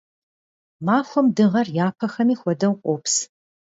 Махуэм дыгъэр, япэхэми хуэдэу, къопс.